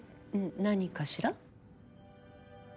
何かしら？